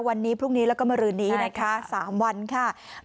วันนี้พรุ่งนี้แล้วก็มารืนนี้นะคะ๓วันค่ะ